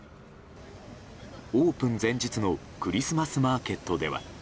オープン前日のクリスマスマーケットでは。